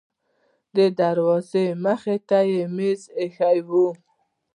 د دروازې مخې ته میز ایښی و.